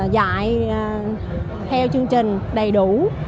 dạy theo chương trình đầy đủ